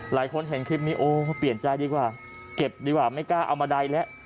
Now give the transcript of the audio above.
หลายคนเห็นคลิปนี้โอ้เปลี่ยนใจดีกว่าเก็บดีกว่าไม่กล้าเอามาใดแล้ว